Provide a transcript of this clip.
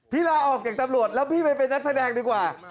ลาออกจากตำรวจแล้วพี่ไปเป็นนักแสดงดีกว่า